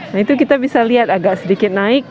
nah itu kita bisa lihat agak sedikit naik